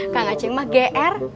kang aceng mah gr